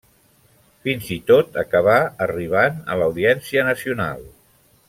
Fins i tot acabà arribant a l'Audiència Nacional.